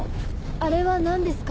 あれは何ですか？